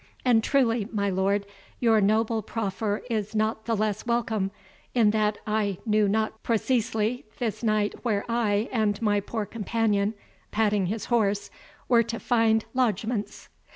And truly, my lord, your noble proffer is not the less welcome, in that I knew not preceesely this night where I and my poor companion" (patting his horse), "were to find lodgments."